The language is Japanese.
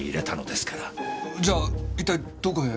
じゃあ一体どこへ？